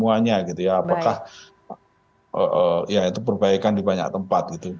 apakah ya itu perbaikan di banyak tempat gitu